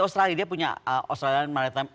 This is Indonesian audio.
australia dia punya australia maritime